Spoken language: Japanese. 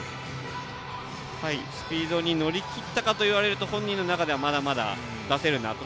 スピードに乗り切ったかといわれると本人の中ではまだまだ出せるなと。